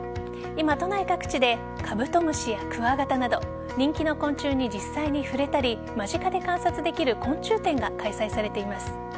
今、都内各地でカブトムシやクワガタなど人気の昆虫に実際に触れたり間近で観察できる昆虫展が開催されています。